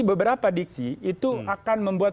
beberapa diksi itu akan membuat